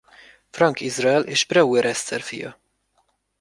Frank Izrael és Breuer Eszter fia.